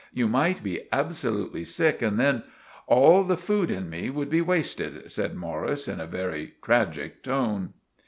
You might be absolutely sick and then——" "All the food in me would be wasted," said Morris in a very tragick tone.